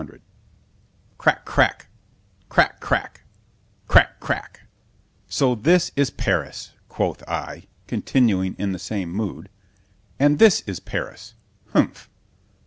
C H A P. C CRACK, crack——crack, crack——crack, crack—so this is Paris! quoth I (continuing in the same mood)—and this is Paris!——humph!